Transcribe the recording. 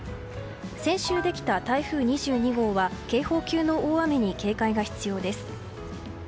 先週できた台風２２号は警報級の大雨に警戒が必要です。